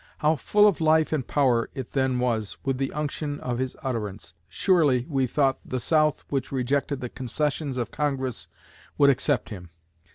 How full of life and power it then was, with the unction of his utterance! Surely, we thought, the South, which rejected the concessions of Congress, would accept him.